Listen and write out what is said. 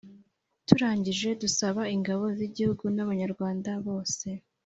turangije dusaba ingabo z'igihugu n'abanyarwanda bose